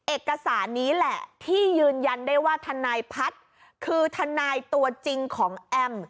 เอกสารนี้แหละที่ยืนยันได้ว่าทนายพัฒน์คือทนายตัวจริงของแอม